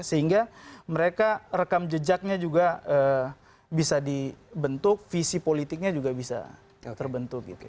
sehingga mereka rekam jejaknya juga bisa dibentuk visi politiknya juga bisa terbentuk gitu